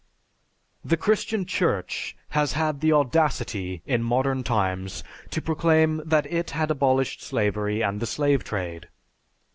The Christian Church has had the audacity, in modern times, to proclaim that it had abolished slavery and the slave trade.